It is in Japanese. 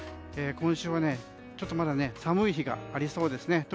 今週はまだ寒い日がありそうですね。